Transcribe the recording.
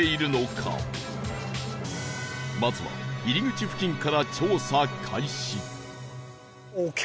まずは入り口付近から調査開始